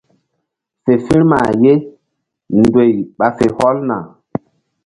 Fe firma ye ndoy ɓa fe hɔlna.